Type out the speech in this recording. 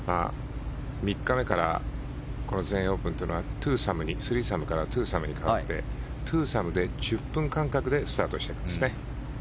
３日目からこの全英オープンというのはスリーサムからツーサムに変わってツーサムで１０分間隔でスタートしてるんですね。